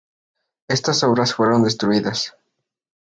Estas obras fueron destruidas.